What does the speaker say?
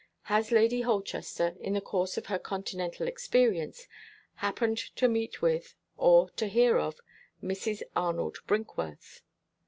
Has Lady I Holchester, in the course of her continental experience, happened to meet with, or to hear of Mrs. Arnold Brinkworth?